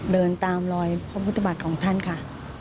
เดินตามรอยพระพุทธบาทของท่านค่ะ